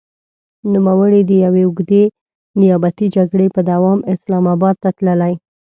نوموړی د يوې اوږدې نيابتي جګړې په دوام اسلام اباد ته تللی.